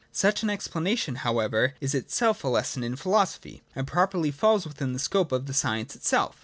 Such an explanation, however, is itself a lesson in philosophy, and properly falls within the scope of the science itself.